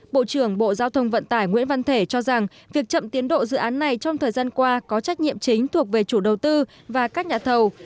bộ trưởng bộ giao thông vận tải nguyễn văn thể cho rằng việc chậm tiến độ dự án này trong thời gian qua có trách nhiệm chính thuộc về chủ đầu tư và các nhà thầu